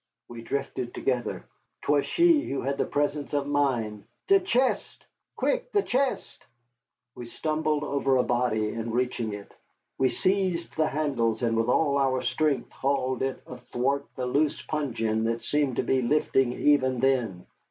We drifted together. 'Twas she who had the presence of mind. "The chest quick, the chest!" We stumbled over a body in reaching it. We seized the handles, and with all our strength hauled it athwart the loose puncheon that seemed to be lifting even then.